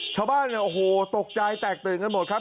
ชาวบ้านเนี่ยโอ้โหตกใจแตกตื่นกันหมดครับ